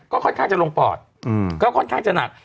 ก็ค่อนข้างจะลงปอดก็ค่อนข้างจะหนัก